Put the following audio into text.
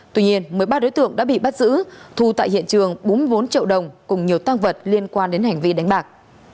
tuy nhiên một mươi ba đối tượng đã bị bắt giữ thu tại hiện trường bốn mươi bốn triệu đồng cùng nhiều tăng vật liên quan đến hành vi đánh bạc